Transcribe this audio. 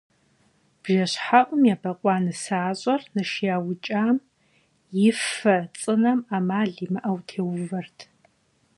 БжэщхьэӀум ебэкъуа нысащӀэр ныш яукӀам и фэ цӀынэм Ӏэмал имыӀэу теувэрт.